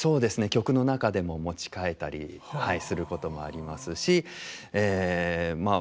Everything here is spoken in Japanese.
曲の中でも持ち替えたりすることもありますしまあ